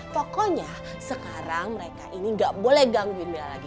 pokoknya sekarang mereka ini gak boleh gangguin bella lagi